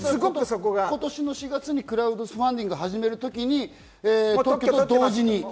今年の４月にクラウドファンディングを始めるときに特許と同時に。